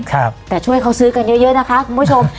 แต่ช่วยเขาซื้อกันเยอะเยอะนะคะคุณผู้ชม